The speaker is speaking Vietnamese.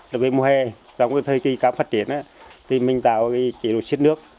tại vì mùa hè trong thời kỳ cam phát triển thì mình tạo cái chế độ siết nước